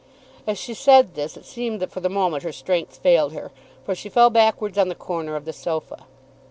As she said this it seemed that for the moment her strength failed her, for she fell backwards on the corner of the sofa.